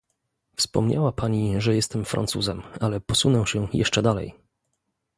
Wspomniała Pani, że jestem Francuzem, ale posunę się jeszcze dalej